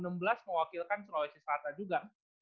mewakilkan sulawesi selatan juga gitu kan